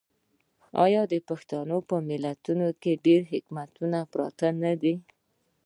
آیا د پښتنو په متلونو کې ډیر حکمت پروت نه دی؟